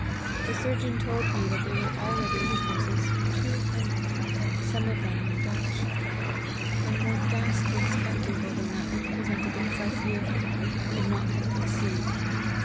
The surgeon told me that there were already in the houses two hundred, some of whom were Dutch. A more ghastly spectacle than that which present ed itself here, I could not have conceived.